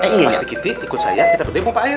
pasti kita ikut saya kita berdiri di pompa air